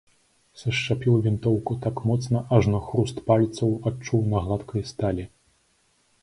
Сашчапіў вінтоўку так моцна, ажно хруст пальцаў адчуў на гладкай сталі.